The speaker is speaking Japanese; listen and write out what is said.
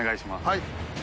はい。